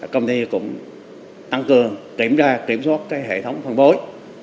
công ty cũng tăng cường kiểm tra kiểm soát hệ thống phân phối